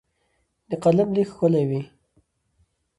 د قلم لیک ښکلی وي.